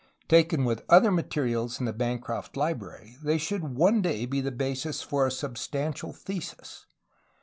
Taken with other materials in the Bancroft Library they should one day be the basis for a substantial thesis.